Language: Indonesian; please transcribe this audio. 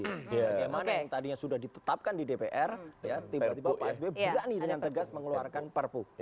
bagaimana yang tadinya sudah ditetapkan di dpr tiba tiba pak sby berani dengan tegas mengeluarkan perpu